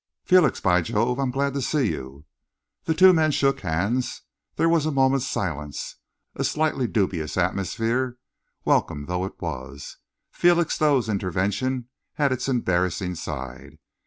"Felix! By Jove, I'm glad to see you!" The two men shook hands. There was a moment's silence, a slightly dubious atmosphere. Welcome though it was, Felixstowe's intervention had its embarrassing side.